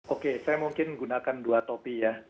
oke saya mungkin menggunakan dua topik ya